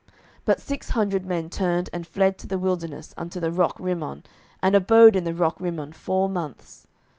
07:020:047 But six hundred men turned and fled to the wilderness unto the rock Rimmon, and abode in the rock Rimmon four months.